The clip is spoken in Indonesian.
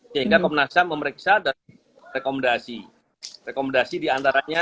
sehingga komnas ham memeriksa dan rekomendasi rekomendasi diantaranya